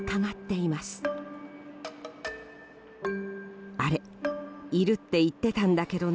いるって言ってたんだけどな。